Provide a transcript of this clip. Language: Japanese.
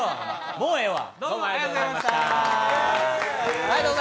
もうええわ。